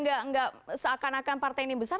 nggak seakan akan partai ini besar